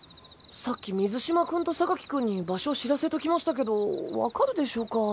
さっき水嶋君と君に場所知らせときましたけどわかるでしょうか？